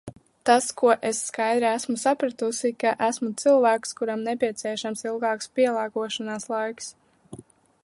Tas, ko es skaidri esmu sapratusi, ka esmu cilvēks, kuram nepieciešams ilgāks pielāgošanās laiks.